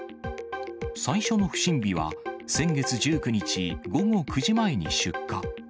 最初の不審火は、先月１９日午後９時前に出火。